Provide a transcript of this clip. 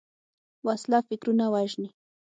وسله فکرونه وژني